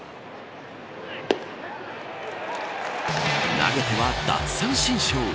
投げては奪三振ショー。